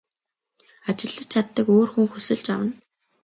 Ажиллаж чаддаг өөр хүн хөлсөлж авна.